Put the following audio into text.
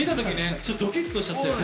ちょっとドキッとしちゃったよね。